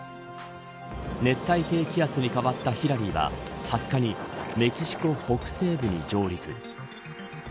熱帯低気圧に変わったヒラリーは２０日にメキシコ北西部に上陸。